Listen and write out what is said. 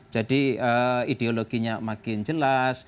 jadi ideologinya makin jelas